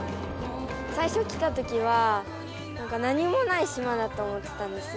最初来たときは何もない島だと思ってたんですよ。